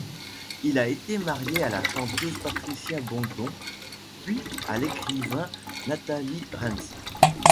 Il a été marié à la chanteuse Patricia Botton puis à l'écrivain Nathalie Rheims.